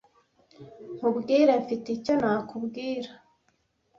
Nkubwire, mfite icyo nakubwira.